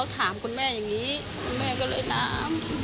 ถ้าเป็นลูกคุณร่่ะ